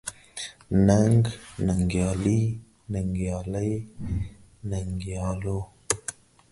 ننګ، ننګيالي ، ننګيالۍ، ننګيالو ،